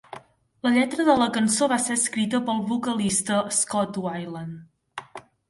La lletra de la cançó va ser escrita pel vocalista Scott Weiland.